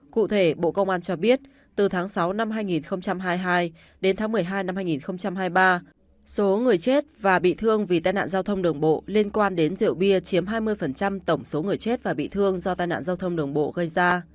cụ thể bộ công an cho biết từ tháng sáu năm hai nghìn hai mươi hai đến tháng một mươi hai năm hai nghìn hai mươi ba số người chết và bị thương vì tai nạn giao thông đường bộ liên quan đến rượu bia chiếm hai mươi tổng số người chết và bị thương do tai nạn giao thông đường bộ gây ra